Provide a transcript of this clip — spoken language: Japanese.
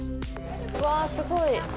うわ、すごい。